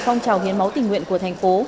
phong trào hiến máu tỉnh nguyện của thành phố